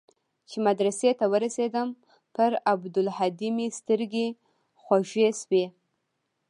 چې مدرسې ته ورسېدم پر عبدالهادي مې سترګې خوږې سوې.